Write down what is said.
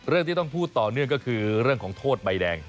เรื่องที่ต้องพูดต่อเนื่องก็คือเรื่องของโทษใบแดง